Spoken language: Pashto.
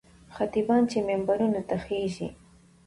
خطیبان چې منبرونو ته خېژي.